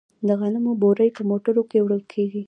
د غنمو بورۍ په موټرو کې وړل کیږي.